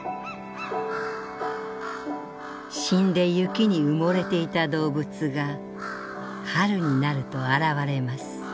「死んで雪に埋もれていた動物が春になると現れます。